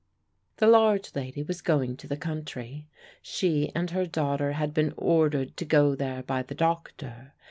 The large lady was going to the country. She and her daughter had been ordered to go there by the doctor.